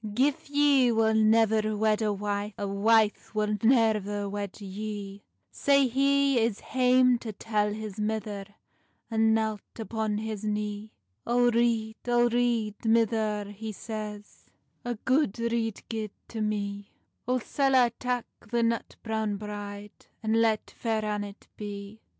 "Gif ye wull nevir wed a wife, A wife wull neir wed yee;" Sae he is hame to tell his mither, And knelt upon his knee. "O rede, O rede, mither," he says, "A gude rede gie to mee; O sall I tak the nut browne bride, And let Faire Annet bee?"